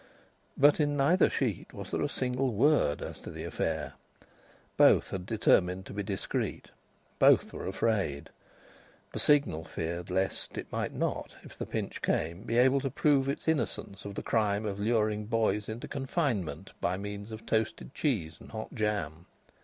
But in neither sheet was there a single word as to the affair. Both had determined to be discreet; both were afraid. The Signal feared lest it might not, if the pinch came, be able to prove its innocence of the crime of luring boys into confinement by means of toasted cheese and hot jam.